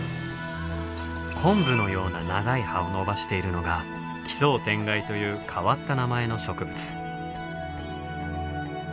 昆布のような長い葉を伸ばしているのがキソウテンガイという変わった名前の植物。